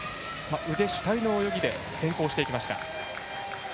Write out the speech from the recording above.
腕主体の泳ぎで先行していきました。